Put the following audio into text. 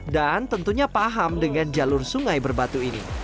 dan tentunya paham dengan jalur sungai berbatu ini